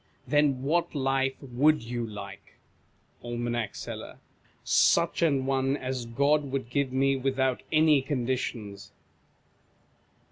Then what life would you like ? Aim. Seller. Such an one as God would give me with out any conditions.